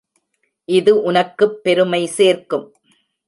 இது உனக்குப் பெருமை சேர்க்கும்.